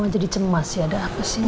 mama jadi cemas sih ada apa sih nih